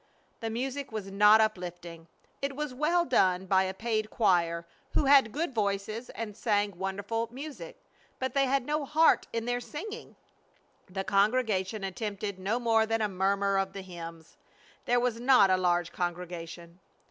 The music was not uplifting. It was well done by a paid choir, who had good voices and sang wonderful music, but they had no heart in their singing. The congregation attempted no more than a murmur of the hymns. There was not a large congregation.